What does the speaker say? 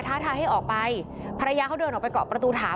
ท้าทายให้ออกไปภรรยาเขาเดินออกไปเกาะประตูถาม